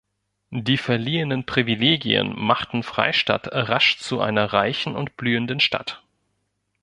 Die verliehenen Privilegien machten Freistadt rasch zu einer reichen und blühenden Stadt.